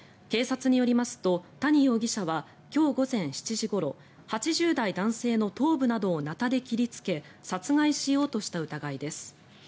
警察によりますと谷容疑者は今日午前７時ごろ８０代男性の頭部などをなたで切りつけ殺害しようとした疑いです。